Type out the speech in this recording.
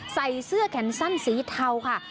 ใส่เสื้อแขนสั้นสีเทาค่ะ